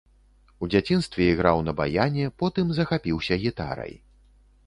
У дзяцінстве іграў на баяне, потым захапіўся гітарай.